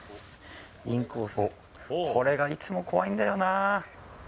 これがいつも怖いんだよな。